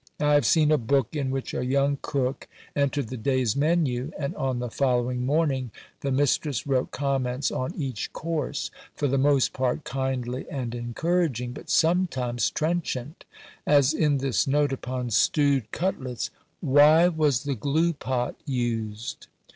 I have seen a book in which a young cook entered the day's menu and, on the following morning, the mistress wrote comments on each course for the most part kindly and encouraging, but sometimes trenchant; as in this note upon stewed cutlets, "Why was the glue pot used?"